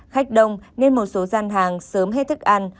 khách đông nên một số gian hàng sớm hết thức ăn